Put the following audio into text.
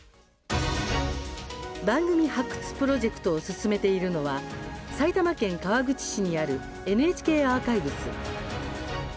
「番組発掘プロジェクト」を進めているのは埼玉県川口市にあるＮＨＫアーカイブス。